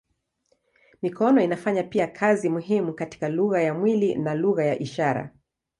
Mikono inafanya pia kazi muhimu katika lugha ya mwili na lugha ya ishara.